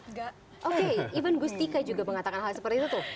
enggak oke even gustika juga mengatakan hal seperti itu tuh